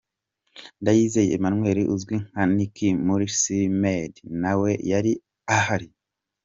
Ndayizeye Emmanuel uzwi nka Nick muri City Maid na we yari ahari.